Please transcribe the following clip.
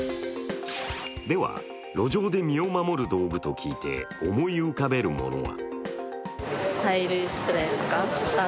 では、路上で身を守る道具と聞いて思い浮かべるものは？